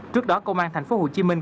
trước đó công an thành phố hồ chí minh